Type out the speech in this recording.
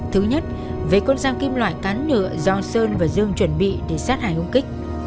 thứ nhất về con dao kim loại cán ngựa do sơn và dương chuẩn bị để sát hải ông kích